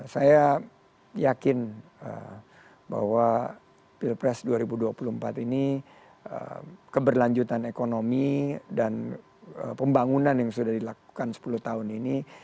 saya yakin bahwa pilpres dua ribu dua puluh empat ini keberlanjutan ekonomi dan pembangunan yang sudah dilakukan sepuluh tahun ini